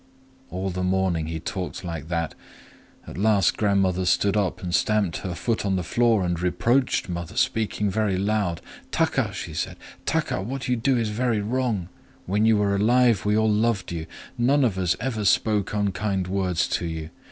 All the morning he talked like that. At last grandmother stood up, and stamped her foot on the floor, and reproached mother,—speaking very loud. 'Taka!' she said, 'Taka, what you do is very wrong. When you were alive we all loved you. None of us ever spoke unkind words to you.